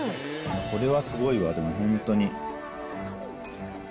これはすごいわ、もう本当に。